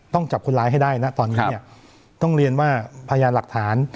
จับคนร้ายให้ได้นะตอนนี้เนี่ยต้องเรียนว่าพยานหลักฐาน